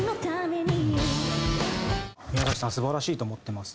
宮崎さん素晴らしいと思ってます。